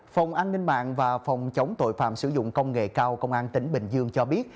phòng an ninh mạng và phòng chống tội phạm sử dụng công nghệ cao công an tỉnh bình dương cho biết